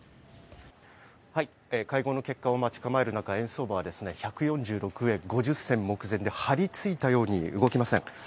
会合の結果を待ち構える中円相場は１４６円５０銭目前で張りついたように動きません。